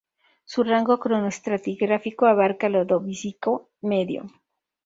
Su rango cronoestratigráfico abarca el Ordovícico medio.